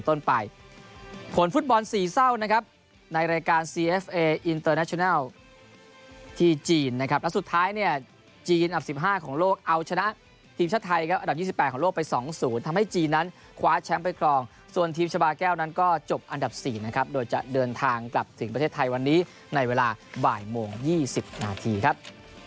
ทีมชาติไทยอันดับ๒๘ของโลกไปสองศูนย์ทำให้จีนนั้นคว้าแชมป์ไปกรองส่วนทีมชาบาแก้วนั้นก็จบอันดับสี่นะครับโดยจะเดินทางกลับถึงประเทศไทยวันนี้ในเวลาบ่ายโมง๒๐นาทีครับ